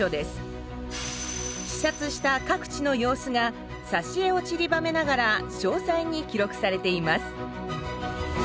視察した各地の様子がさしえをちりばめながら詳細に記録されています。